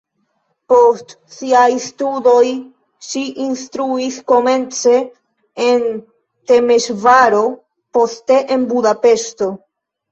Post siaj studoj ŝi instruis komence en Temeŝvaro, poste en Budapeŝto.